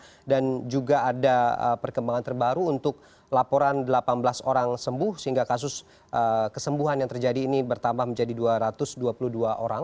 kemudian juga ada perkembangan terbaru untuk laporan delapan belas orang sembuh sehingga kasus kesembuhan yang terjadi ini bertambah menjadi dua ratus dua puluh dua orang